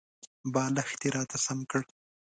بالښت یې راته سم کړ .